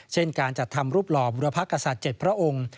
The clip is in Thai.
เช่นการจัดทำรูปหล่อบุรพกษัตริย์๗พระองค์